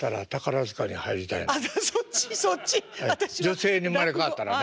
女性に生まれ変わったらね。